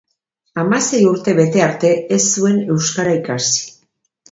Hamasei urte bete arte ez zuen euskara ikasi.